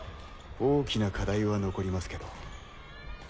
大きな課題は残りますけど。